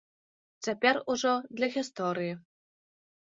Цяпер ужо для гісторыі.